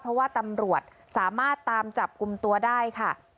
เพราะว่าตำรวจสามารถตามจับกลุ่มตัวได้ค่ะ